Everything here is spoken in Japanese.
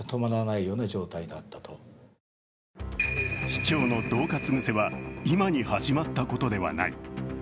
市長のどう喝癖は、今に始まったことではない。